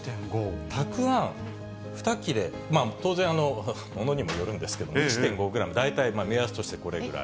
たくあん２切れ、当然、ものにもよるんですけれども、１．５グラム、大体目安としてこれぐらい。